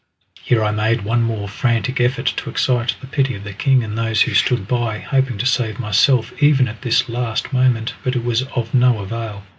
Here I made one more frantic effort to excite the pity of the king and those who stood by, hoping to save myself even at this last moment, but it was of no avail.